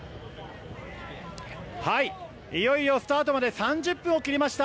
いよいよスタートまで３０分を切りました。